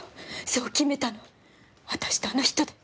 そう決めたの私とあの人で。